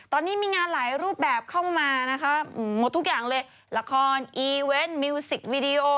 ตอนนี้มีงานหลายรูปแบบเข้ามานะคะหมดทุกอย่างเลยละครอีเวนต์มิวสิกวีดีโอ